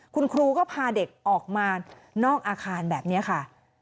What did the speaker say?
คุณครูก็พาเด็กออกมานอกอาคารแบบนี้ค่ะ